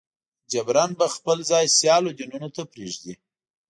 جبراً به خپل ځای سیالو دینونو ته پرېږدي.